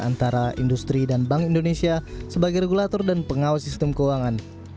antara industri dan bank indonesia sebagai regulator dan pengawas sistem keuangan